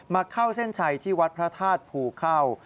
เข้าเส้นชัยที่วัดพระธาตุภูเข้า